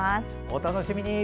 お楽しみに。